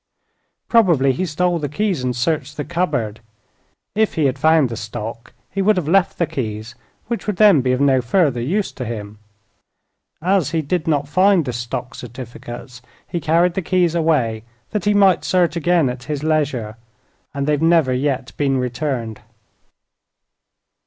"Probably he stole the keys and searched the cupboard; if he had found the stock he would have left the keys, which would then be of no further use to him. As he did not find the stock certificates, he carried the keys away, that he might search again at his leisure. And they've never yet been returned."